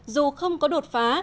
dù không có đột phá